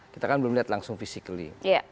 kita kan belum lihat langsung physically